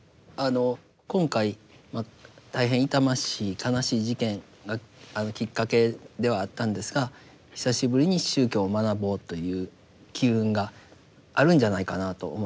今回大変痛ましい悲しい事件がきっかけではあったんですが久しぶりに宗教を学ぼうという機運があるんじゃないかなと思います。